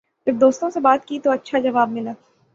جب دوستوں سے بات کی تو اچھا جواب ملا